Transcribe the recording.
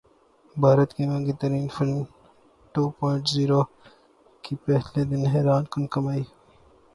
بھارت کی مہنگی ترین فلم ٹو پوائنٹ زیرو کی پہلے دن حیران کن کمائی